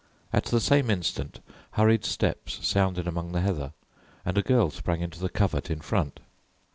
At the same instant hurried steps sounded among the heather, and a girl sprang into the covert in front.